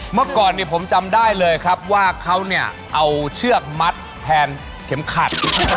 เมื่อก่อนผมจะจำได้เลยครับว่าเขาเนี่ยเอาเชือกมัดที่เป็นเข็มขัด